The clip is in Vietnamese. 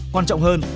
quan trọng hơn